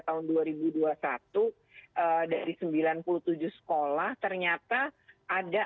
tahun dua ribu dua puluh satu dari sembilan puluh tujuh sekolah ternyata ada